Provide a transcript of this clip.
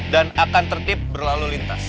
dan akan tertib berlalu lintas